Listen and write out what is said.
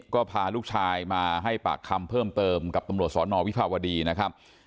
ก็พาลูกชายมาให้ปากคำเพิ่มเติมกับตำรวจสอนอวิภาวดีนะครับ